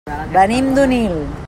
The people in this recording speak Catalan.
Venim d'Onil.